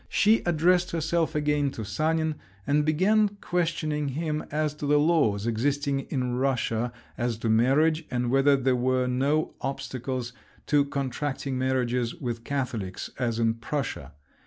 She addressed herself again to Sanin, and began questioning him as to the laws existing in Russia as to marriage, and whether there were no obstacles to contracting marriages with Catholics as in Prussia.